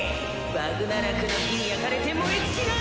バグナラクの火に焼かれて燃え尽きな！